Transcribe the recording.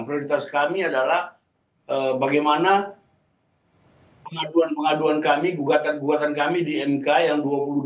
prioritas kami adalah bagaimana pengaduan pengaduan kami gugatan gugatan kami di mk yang dua puluh dua